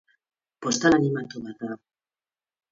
Postal animatu bat da.